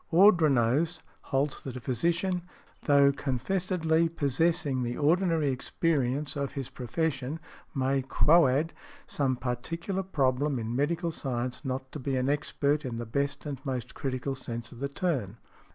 Ordronaux holds that a physician, although confessedly possessing the ordinary experience of his profession, may quoad some particular problem in medical science not be an expert in the best and most critical sense of the term.